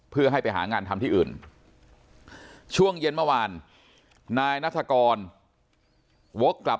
เพื่อให้ไปหางานทำที่อื่นช่วงเย็นเมื่อวานนายนัฐกรวกกลับ